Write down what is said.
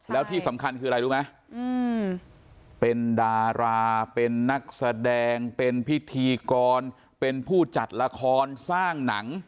แล้วที่สำคัญคืออะไรรู้ไหมเป็นดาราเป็นนักแสดงเป็นพิธีกรเป็นผู้จัดละครสร้างหนัง